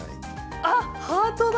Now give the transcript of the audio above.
あっハートだ！